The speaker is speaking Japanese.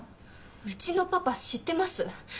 うちのパパ知ってます？